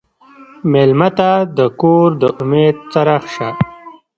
مېلمه ته د کور د امید څراغ شه.